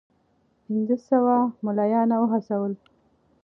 پنځه سوه مُلایان وهڅول.